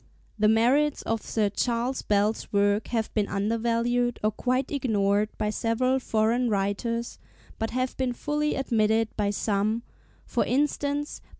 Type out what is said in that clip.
The merits of Sir C. Bell's work have been undervalued or quite ignored by several foreign writers, but have been fully admitted by some, for instance by M.